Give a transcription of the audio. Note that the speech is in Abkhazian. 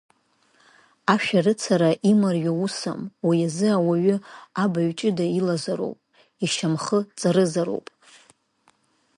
Ашәарыцара имариоу усым, уи азы ауаҩы абаҩҷыда илазароуп, ишьамхы ҵарызароуп.